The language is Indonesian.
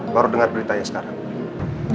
baru dengar berita ya sekarang